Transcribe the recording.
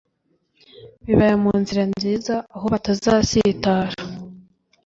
bibaya mu nzira nziza aho batazasitara